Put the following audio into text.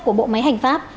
của bộ máy hành pháp